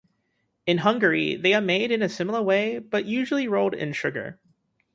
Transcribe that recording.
In Hungary they are made in a similar way, but usually rolled in sugar.